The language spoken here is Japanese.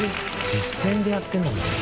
実践でやってるんだもんな。